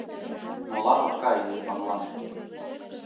Молан от кай Йыванлан?